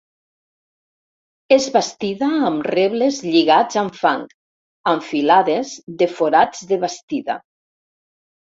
És bastida amb rebles lligats amb fang, amb filades de forats de bastida.